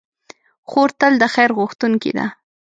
خور تل د خیر غوښتونکې ده.